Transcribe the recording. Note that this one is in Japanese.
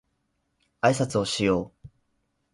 あいさつをしよう